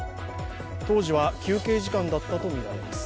当時は休憩時間だったとみられます。